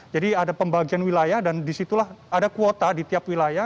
jadi ada pembagian wilayah dan disitulah ada kuota di tiap wilayah